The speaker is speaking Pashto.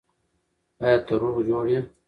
آیا ته روغ جوړ یې؟